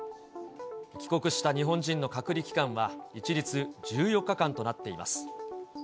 帰国した日本人の隔離期間は一律１４日間となっています。